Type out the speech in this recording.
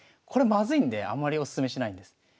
これまずいんであんまりおすすめしないんです。